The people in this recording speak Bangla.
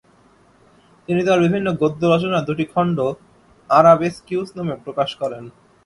তিনি তাঁর বিভিন্ন গদ্যরচনার দুটি খণ্ড আরাবেস্কিউস নামে প্রকাশ করেন।